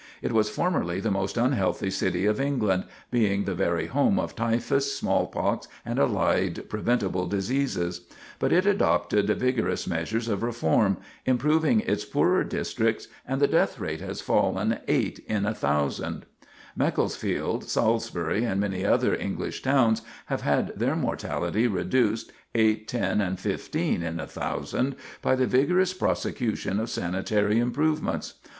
It was formerly the most unhealthy city of England, being the very home of typhus, smallpox, and allied preventable diseases. But it adopted vigorous measures of reform, improving its poorer districts, and the death rate has fallen eight in 1,000. Macclesfield, Salisbury, and many other English towns have had their mortality reduced 8, 10, and 15 in 1,000 by the vigorous prosecution of sanitary improvements.